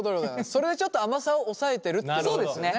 それでちょっと甘さを抑えてるってことですよね？